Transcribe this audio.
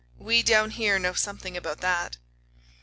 We, down here, know something about that."